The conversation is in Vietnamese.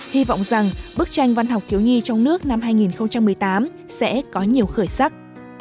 hy vọng rằng bức tranh văn học thiếu nhi trong nước năm hai nghìn một mươi tám sẽ có nhiều khởi sắc